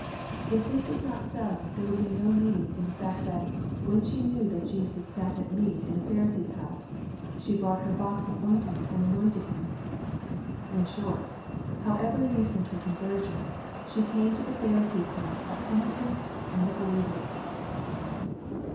If this was not so there would be no meaning in the fact that "when she knew that Jesus sat at meat in the Pharisee's house," she brought her box of ointment, and anointed Him. In short, however recent her conversion, she camb to the Pharisee's house a penitent and a believer.